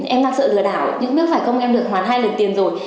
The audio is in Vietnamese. em đang sợ lừa đảo nhưng biết phải không em được hoàn hai lần tiền rồi